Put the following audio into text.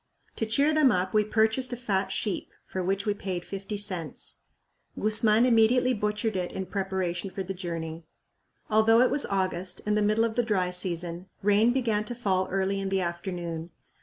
To cheer them up we purchased a fat sheep, for which we paid fifty cents. Guzman immediately butchered it in preparation for the journey. Although it was August and the middle of the dry season, rain began to fall early in the afternoon.